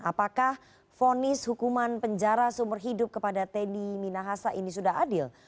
apakah fonis hukuman penjara seumur hidup kepada teddy minahasa ini sudah adil